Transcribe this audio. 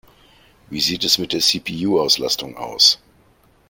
Wie sieht es mit der CPU-Auslastung aus?